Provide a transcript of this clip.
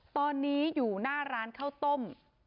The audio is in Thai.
ตอนนี้อยู่หน้าร้านข้าวต้ม